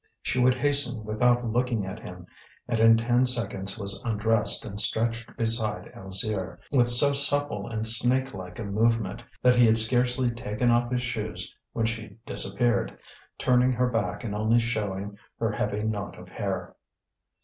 She would hasten without looking at him, and in ten seconds was undressed and stretched beside Alzire, with so supple and snake like a movement that he had scarcely taken off his shoes when she disappeared, turning her back and only showing her heavy knot of hair.